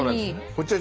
こっちはね